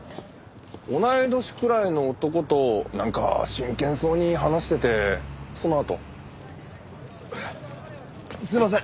同い年くらいの男となんか真剣そうに話しててそのあと。すいません